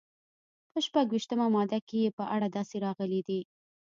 په شپږویشتمه ماده کې یې په اړه داسې راغلي دي.